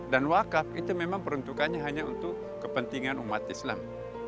dan wakaf itu memang peruntukannya hanya untuk kepentingan umat islam